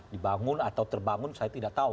dibangun atau terbangun saya tidak tahu